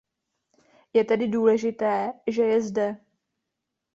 Je tedy důležité, že je zde.